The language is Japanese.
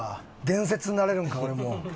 伝説になれるんか俺も。